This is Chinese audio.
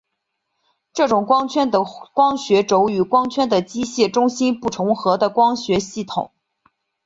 这种光圈的光学轴与光圈的机械中心不重合的光学系统。